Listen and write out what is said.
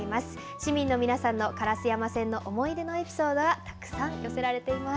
市民の皆さんの烏山線の思い出のエピソードがたくさん寄せられています。